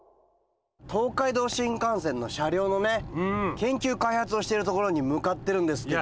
東海道新幹線の車両のね研究開発をしているところに向かってるんですけども。